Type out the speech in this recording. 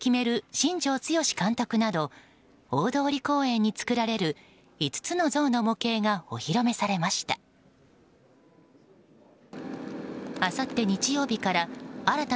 新庄剛志監督など大通公園に作られる５つの像の模型がお披露目されました。